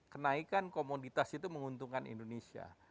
kenaikan komoditas itu menguntungkan indonesia